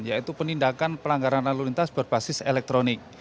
yaitu penindakan pelanggaran lalu lintas berbasis elektronik